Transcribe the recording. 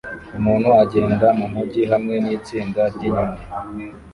Umuntu agenda mumujyi hamwe nitsinda ryinyoni